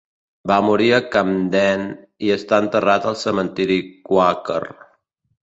Va morir a Camden i està enterrat al cementiri quàquer.